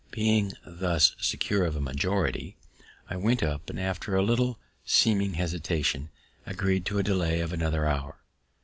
Being thus secure of a majority, I went up, and after a little seeming hesitation, agreed to a delay of another hour.